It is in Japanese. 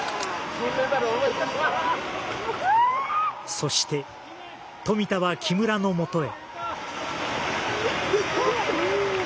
そして、富田は木村のもとへ。